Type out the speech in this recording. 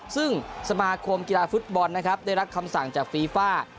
ซึ่งสมาคมกีฬาฟุตบอลนะครับได้รับคำสั่งจากฟีฟ่า